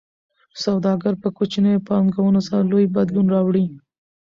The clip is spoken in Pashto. سوداګر په کوچنیو پانګونو سره لوی بدلون راوړي.